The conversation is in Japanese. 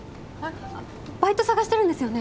バイト探してるんですよね？